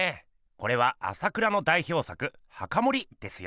これは朝倉の代表作「墓守」ですよ。